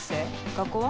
学校は？